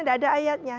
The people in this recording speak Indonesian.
tidak ada ayatnya